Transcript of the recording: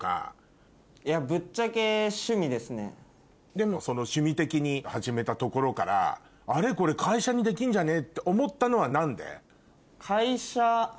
でもその趣味的に始めたところからあれこれ会社にできんじゃねえ？って思ったのは何で？